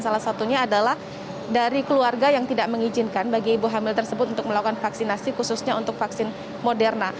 salah satunya adalah dari keluarga yang tidak mengizinkan bagi ibu hamil tersebut untuk melakukan vaksinasi khususnya untuk vaksin moderna